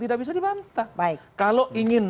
tidak bisa dibantah baik kalau ingin